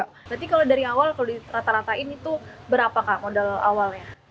berarti kalau dari awal kalau dirata ratain itu berapa kak modal awalnya